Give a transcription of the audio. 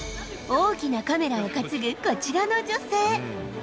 大きなカメラを担ぐこちらの女性。